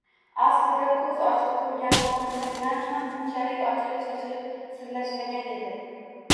Aslida, ko‘z ochib ko‘rgan xotini bilan ham bunchalik ochilib-sochilib sirlashmagan edi